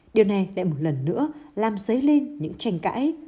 điều này lại một lần nữa làm dấy lên những tranh cãi